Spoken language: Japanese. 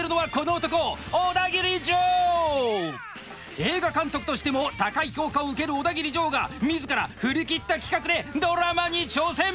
映画監督としても高い評価を受けるオダギリジョーが自ら振り切った企画でドラマに挑戦！